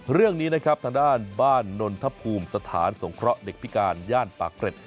เรื่องนี้นะครับทางด้านบ้านนนทภูมิสถานสงเคราะห์เด็กพิการย่านปากเกร็ด